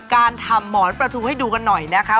การทำหมอนปลาทูให้ดูกันหน่อยนะคะ